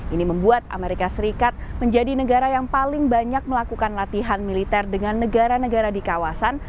ini membuat amerika serikat menjadi negara yang paling banyak melakukan latihan militer dengan negara negara di kawasan